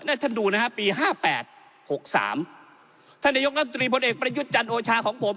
ท่านดูนะฮะปีห้าแปดหกสามท่านนายกรัฐมนตรีพลเอกประยุทธ์จันทร์โอชาของผม